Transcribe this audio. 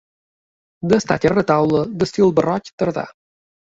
Destaca el retaule d'estil barroc tardà.